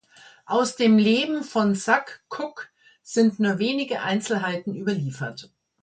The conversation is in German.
Aus dem Leben von Sak K’uk’ sind nur wenige Einzelheiten überliefert.